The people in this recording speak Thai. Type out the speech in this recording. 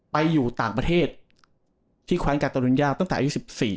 ไปอยู่ต่างประเทศที่ควัญกับตนุญาตั้งแต่๒๔ปี